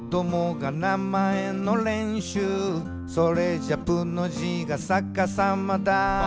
「それじゃ『プ』の字がさかさまだ」